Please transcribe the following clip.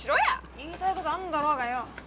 言いたいことあんだろうがよ！